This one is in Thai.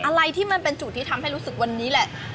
อะไรที่มันเป็นจุดที่ทำให้รู้สึกวันนี้แหละ